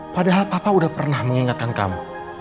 padahal papa udah pernah mengingatkan kamu